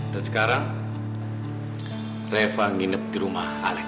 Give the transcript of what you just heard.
dan sekarang reva nginep di rumah alex